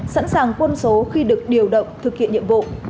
sẵn sàng quân số khi được điều động thực hiện nhiệm vụ